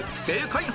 正解！